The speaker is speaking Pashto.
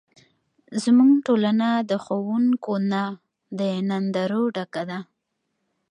زموږ ټولنه د ښوونکو نه، د نندارو ډکه ده.